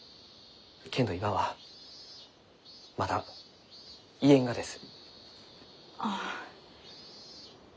けんど今はまだ言えんがです。